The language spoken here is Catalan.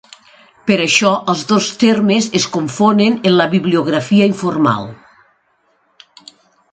Per això els dos termes es confonen en la bibliografia informal.